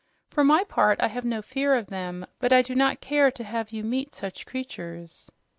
For my part, I have no fear of them, but I do not care to have you meet such creatures."